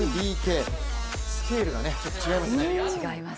スケールが違いますね。